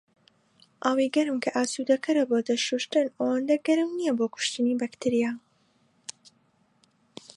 ئاوی گەرم کە ئاسودەکەرە بۆ دەست شوشتن ئەوەنە گەورم نیە بۆ کوشتنی بەکتریا.